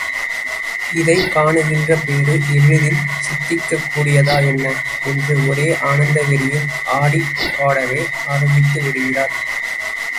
இதைக் காணுகின்ற பேறு எளிதில் சித்திக்கக் கூடியதா என்ன, என்று ஒரே ஆனந்த வெறியில் ஆடிப்பாடவே ஆரம்பித்து விடுகிறார்.